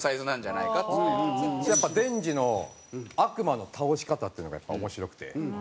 やっぱデンジの悪魔の倒し方っていうのが面白くて。